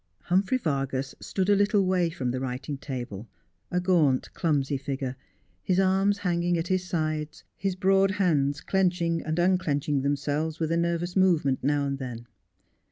Humphrey Vargas stood a little way from the writing table, a gaunt, clumsy figure, his arms hanging at his sides, his broad hands clenching and unclenching themselves with a nervous movement, now and then.